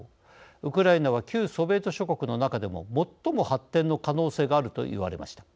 ウクライナは旧ソビエト諸国の中でも最も発展の可能性があると言われました。